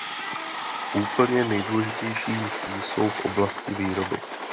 Úplně nejdůležitější jsou v oblasti výroby.